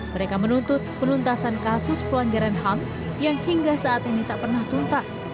mereka menuntut penuntasan kasus pelanggaran ham yang hingga saat ini tak pernah tuntas